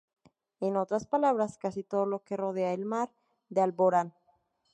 En otras palabras, casi todo lo que rodea al mar de Alborán.